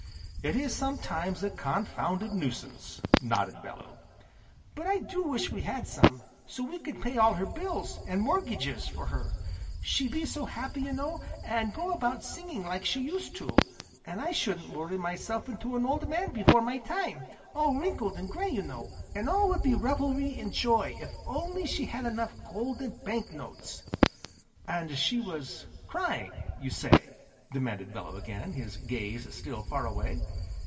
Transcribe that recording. "It is sometimes a confounded nuisance!" nodded Bellew. "But I do wish we had some, so we could pay all her bills, an' morgyges for her. She'd be so happy, you know, an' go about singing like she used to, an' I shouldn't worry myself into an old man before my time, all wrinkled, an' gray, you know; an' all would be revelry, an' joy, if only she had enough gold, an' bank notes!" "And she was crying, you say!" demanded Bellew again, his gaze still far away.